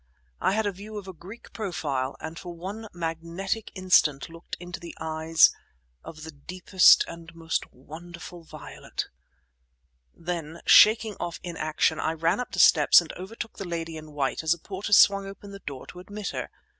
I had a view of a Greek profile, and for one magnetic instant looked into eyes of the deepest and most wonderful violet. Then, shaking off inaction, I ran up the steps and overtook the lady in white as a porter swung open the door to admit her.